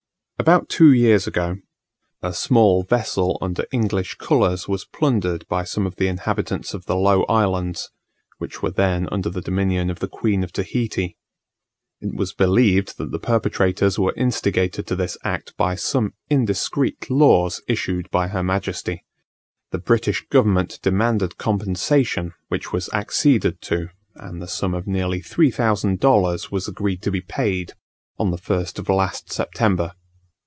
About two years ago, a small vessel under English colours was plundered by some of the inhabitants of the Low Islands, which were then under the dominion of the Queen of Tahiti. It was believed that the perpetrators were instigated to this act by some indiscreet laws issued by her majesty. The British government demanded compensation; which was acceded to, and the sum of nearly three thousand dollars was agreed to be paid on the first of last September.